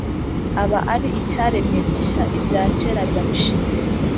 aba ari icyaremwe gishya: ibya kera biba bishize,